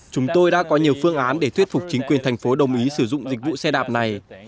chúng tôi đã có nhiều phương án để thuyết phục chính quyền thành phố đồng ý sử dụng dịch vụ xe đạp này